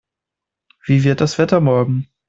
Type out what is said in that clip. Wie wird das Wetter morgen?